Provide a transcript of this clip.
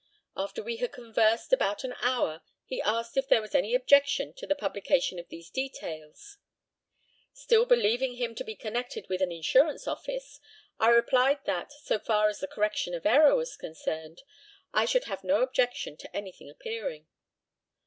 After we had conversed about an hour he asked if there was any objection to the publication of these details. Still believing him to be connected with an insurance office, I replied that, so far as the correction of error was concerned, I should have no objection to anything appearing.